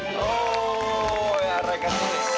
โรคใจโรคใจโรคใจโรคใจ